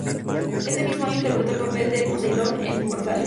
Ese mismo año interpretó el papel de "Poseidón" en Inmortales.